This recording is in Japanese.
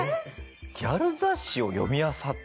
ギャル雑誌を読み漁った？